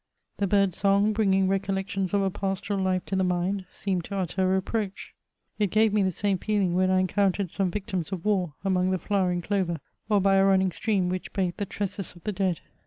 The bird's song, bringing recollections of a pastoral life to the mind, seemed to utter a reproach. It gave me the same feeling when I encountered some victims of war among the fiowering clover, or by a running stream which bathed the tresses of the dead.